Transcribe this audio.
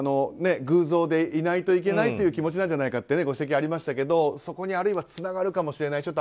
偶像でいないといけないという気持ちなんじゃないかとご指摘ありましたけどそこに、あるいはつながるかもしれない。